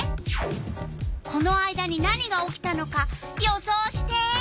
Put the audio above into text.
この間に何が起きたのか予想して！